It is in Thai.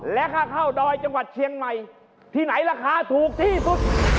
และค่าข้าวดอยจังหวัดเชียงใหม่ที่ไหนราคาถูกที่สุด